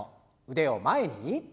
腕を前に。